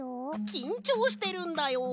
きんちょうしてるんだよ。